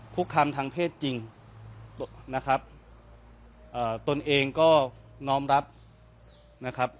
คุกคามทางเพศจริงนะครับเอ่อตนเองก็น้อมรับนะครับ